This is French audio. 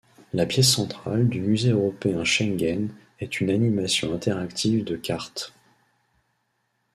La pièce centrale du Musée européen Schengen est une animation interactive de cartes.